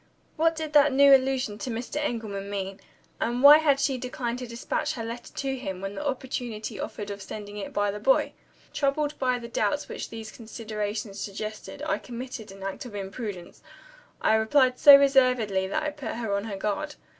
What did that new allusion to Mr. Engelman mean? And why had she declined to despatch her letter to him, when the opportunity offered of sending it by the boy? Troubled by the doubts which these considerations suggested, I committed an act of imprudence I replied so reservedly that I put her on her guard.